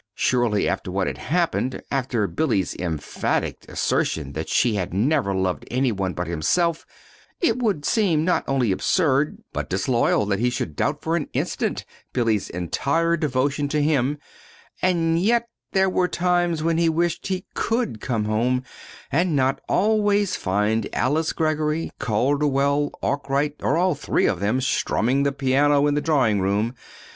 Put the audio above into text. Surely, after what had happened, after Billy's emphatic assertion that she had never loved any one but himself, it would seem not only absurd, but disloyal, that he should doubt for an instant Billy's entire devotion to him, and yet there were times when he wished he could come home and not always find Alice Greggory, Calderwell, Arkwright, or all three of them strumming the piano in the drawing room!